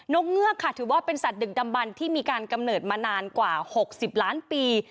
กเงือกค่ะถือว่าเป็นสัตว์ดึกดำบันที่มีการกำเนิดมานานกว่า๖๐ล้านปี